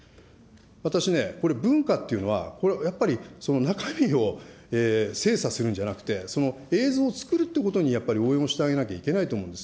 私ね、これ文化というのは、これはやっぱりその中身を精査するんじゃなくて、映像を作るということにやっぱり応援をしてあげなきゃいけないと思うんです。